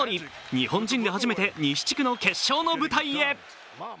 日本人で初めて西地区の決勝の舞台へ。